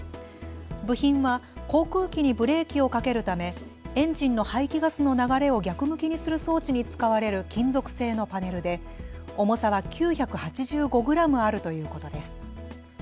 部品は航空機にブレーキをかけるためエンジンの排気ガスの流れを逆向きにする装置に使われる金属製のパネルで、重さは９８５グラムあるということです。